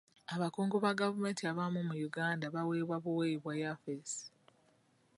Abakungu ba gavumenti abamu mu Uganda baweebwa buweebwa yafesi.